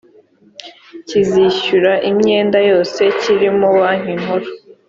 kizishyura imyenda yose kirimo banki nkuru